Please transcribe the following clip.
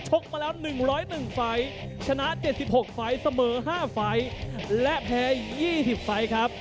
กมาแล้ว๑๐๑ไฟล์ชนะ๗๖ไฟล์เสมอ๕ไฟล์และแพ้๒๐ไฟล์ครับ